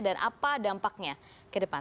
dan apa dampaknya ke depan